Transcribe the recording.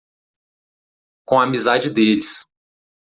Com a amizade deles